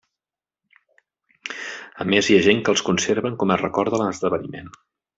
A més hi ha gent que els conserven com a record de l'esdeveniment.